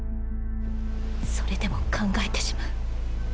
それでも考えてしまう。